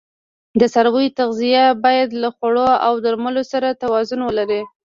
د څارویو تغذیه باید له خوړو او درملو سره توازون ولري.